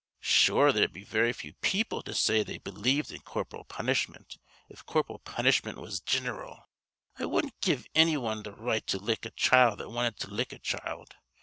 "Sure there'd be very few people to say they believed in corporal punishment if corporal punishment was gin'ral. I wudden't give anny wan th' right to lick a child that wanted to lick a child.